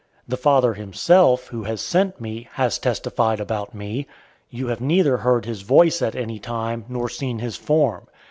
005:037 The Father himself, who sent me, has testified about me. You have neither heard his voice at any time, nor seen his form.